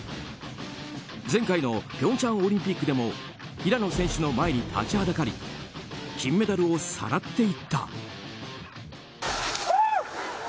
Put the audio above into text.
前回の平昌オリンピックでも平野選手の前に立ちはだかり金メダルをさらっていった。